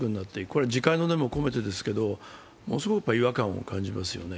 これ自戒の念も込めてですが、ものすごい違和感を感じますよね。